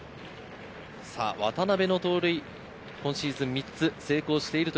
渡辺の盗塁、今シーズン３つ成功しています。